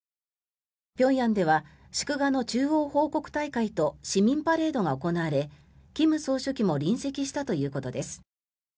平壌では祝賀の中央報告大会と市民パレードが行われ金総書記も臨席したということです。